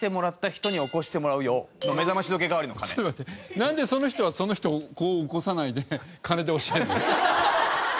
なんでその人はその人をこう起こさないで鐘で教えるの？